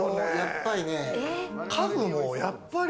家具もやっぱり